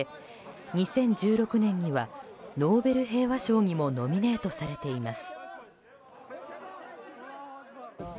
２０１６年にはノーベル平和賞にもノミネートされています。